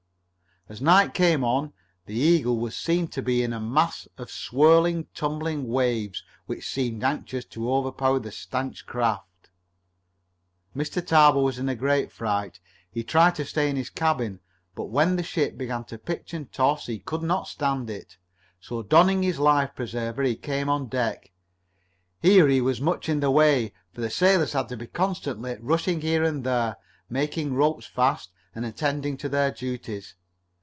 As night came on the Eagle was seen to be in a mass of swirling, tumbling waves which seemed anxious to overpower the stanch craft. Mr. Tarbill was in a great fright. He tried to stay in his cabin, but when the ship began to pitch and toss he could not stand it. So donning a life preserver, he came on deck. Here he was much in the way, for the sailors had to be constantly rushing here and there, making ropes fast and attending to their duties.